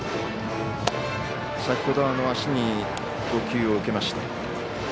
先ほど足に投球を受けました。